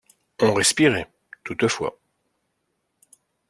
On respirait, toutefois.